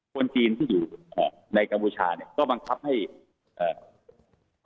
คนจีนที่อยู่ขอบในกัมพูชาเนี้ยก็บังคับให้เอ่อ